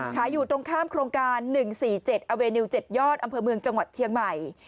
อยู่ตรงข้ามโครงการ๑๔๗อเวนิว๗ยอดอำเภอเมืองจังหวัดเชียงใหม่